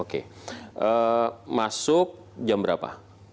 oke masuk jam berapa